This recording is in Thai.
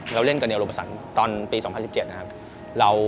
เราเล่นกันเดียวรุมศัลตอนปี๒๐๑๗นะครับ